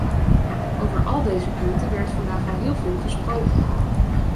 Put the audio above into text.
Over al deze punten werd vandaag al heel veel gesproken.